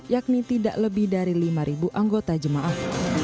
yakni tidak lebih dari lima anggota jemaah